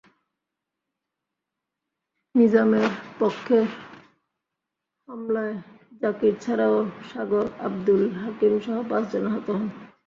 নিজামের পক্ষের হামলায় জাকির ছাড়াও সাগর, আবদুল হাকিমসহ পাঁচজন আহত হন।